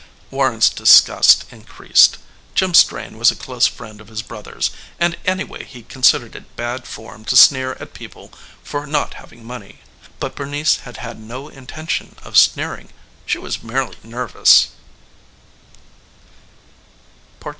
Warren's disgust increased. Jim Strain was a close friend of his brother's, and anyway he considered it bad form to sneer at people for not having money. But Bernice had had no intention of sneering. She was merely nervous.